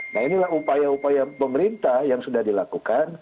nah inilah upaya upaya pemerintah yang sudah dilakukan